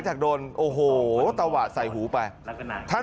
สวัสดีครับคุณผู้ชาย